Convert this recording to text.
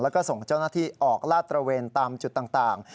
แล้วก็ส่งเจ้าหน้าที่ออกลาดตระเวนตามจุดต่าง